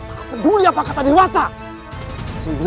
aku peduli apakah tadi watak